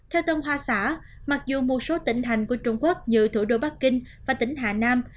theo tông hoa xã mặc dù một số tỉnh hành của trung quốc như thủ đô bắc kinh và tỉnh hà nam